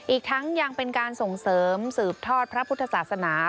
อีกทั้งยังเป็นการส่งเสริมสืบทอดพระพุทธศาสนา